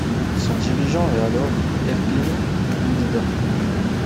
Son dirigeant est alors Evgueni Ioudiga.